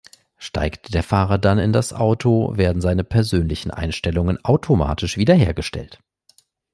Steigt der Fahrer dann in das Auto, werden seine persönlichen Einstellungen automatisch wiederhergestellt.